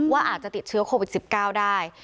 ว่าอาจจะติดเชื้อโควิด๑๙ได้